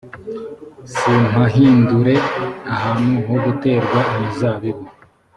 s mpahindure ahantu ho guterwa imizabibu